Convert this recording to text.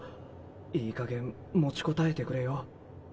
いいかげん持ちこたえてくれよ